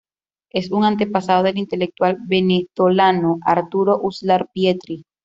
Es un antepasado del intelectual venezolano Arturo Uslar Pietri.